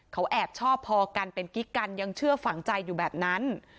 เขาแอบชอบพอกันเป็นกิ๊กกันยังเชื่อฝังใจอยู่แบบนั้น